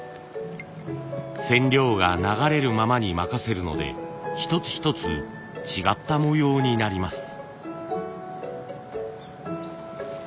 染料が流れるままに任せるので一つ一つ違った模様になります。